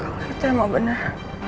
kau itu emang bener